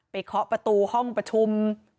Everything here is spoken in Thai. เคาะประตูห้องประชุม